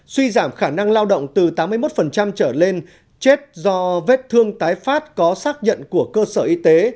suy giảm khả năng lao động từ tám mươi một trở lên chết do vết thương tái phát có xác nhận của cơ sở y tế